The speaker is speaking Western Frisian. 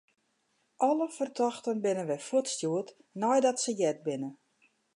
Alle fertochten binne wer fuortstjoerd neidat se heard binne.